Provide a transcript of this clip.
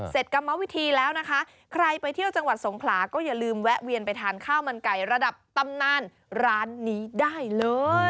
กรรมวิธีแล้วนะคะใครไปเที่ยวจังหวัดสงขลาก็อย่าลืมแวะเวียนไปทานข้าวมันไก่ระดับตำนานร้านนี้ได้เลย